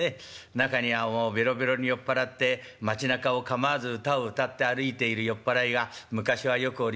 中にはもうベロベロに酔っ払って町なかを構わず歌を歌って歩いている酔っ払いが昔はよくおりまして。